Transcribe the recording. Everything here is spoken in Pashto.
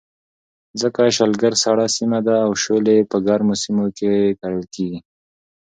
ځکه شلګر سړه سیمه ده او شولې په ګرمو سیمو کې کرلې کېږي.